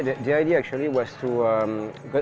ide sebenarnya adalah untuk